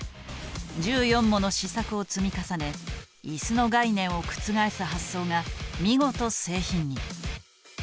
１４もの試作を積み重ね椅子の概念を覆す発想が見事製品に。